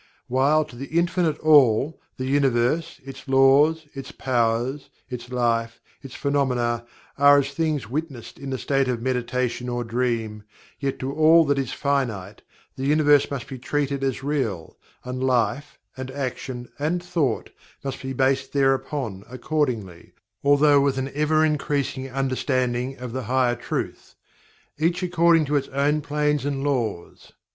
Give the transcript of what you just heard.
While to THE INFINITE ALL, the Universe, its Laws, its Powers, its life, its Phenomena, are as things witnessed in the state of Meditation or Dream; yet to all that is Finite, the Universe must be treated as Real, and life, and action, and thought, must be based thereupon, accordingly, although with an ever understanding of the Higher Truth. Each according to its own Plane and Laws.